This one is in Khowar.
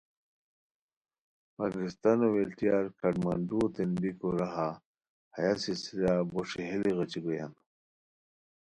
پاکستانو ویلٹیار کھڈ منڈؤو تین بیکو راہا ہیہ سلسلہ بو ݰیلی غیچی گویان۔